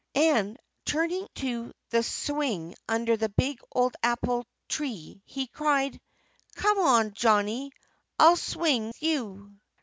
And turning to the swing under the big old apple tree he cried, "Come on, Johnnie! I'll swing you."